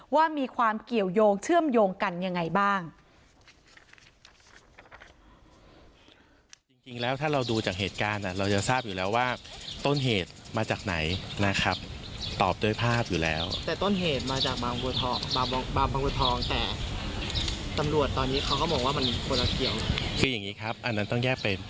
ว่ามีความเกี่ยวยงเชื่อมโยงกันยังไงบ้าง